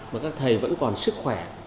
mà các thầy vẫn còn sức khỏe